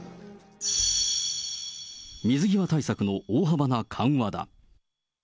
水際対策の大幅な緩和だ。